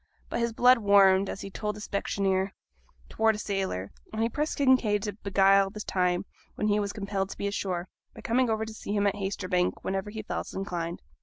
But his blood warmed, as he told the specksioneer, towards a sailor, and he pressed Kinraid to beguile the time when he was compelled to be ashore, by coming over to see him at Haytersbank, whenever he felt inclined.